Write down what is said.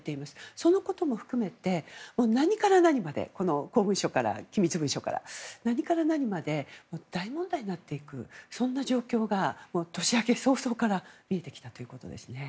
そのことも含めて何から何まで公文書から機密文書から何から何まで大問題になっていくそういう状況が年明け早々から見えてきたということです。